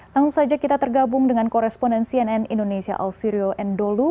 langsung saja kita tergabung dengan koresponen cnn indonesia ausirio endolu